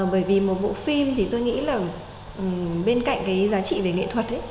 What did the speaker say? bởi vì một bộ phim thì tôi nghĩ là bên cạnh cái giá trị về nghệ thuật ấy